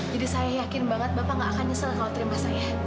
jadi saya yakin banget bapak nggak akan nyesel kalau terima saya